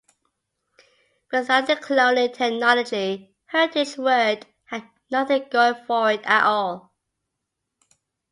Without the cloning technology, Heritage would have nothing going for it at all.